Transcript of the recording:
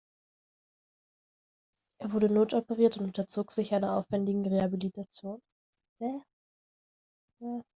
Er wurde notoperiert und unterzog sich einer aufwendigen Rehabilitation.